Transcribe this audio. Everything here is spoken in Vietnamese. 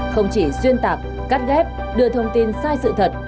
không chỉ xuyên tạc cắt ghép đưa thông tin sai sự thật